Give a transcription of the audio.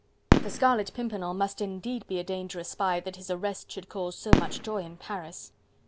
The Scarlet Pimpernel must indeed be a dangerous spy that his arrest should cause so much joy in Paris!